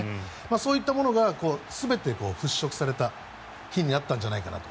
そういったものが全て払しょくされた日になったんじゃないかなと。